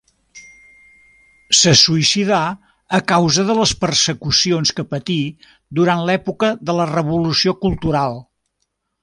Se suïcidà a causa de les persecucions que patí durant l'època de la Revolució Cultural.